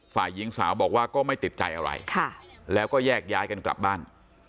ฝ่ายหญิงสาวบอกว่าก็ไม่ติดใจอะไรแล้วก็แยกย้ายกันกลับบ้าน